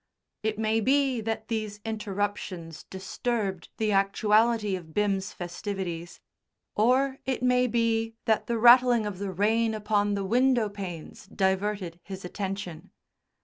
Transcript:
It may be that these interruptions disturbed the actuality of Bim's festivities, or it may be that the rattling of the rain upon the window panes diverted his attention.